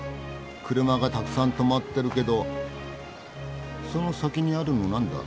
車がたくさん止まってるけどその先にあるの何だ？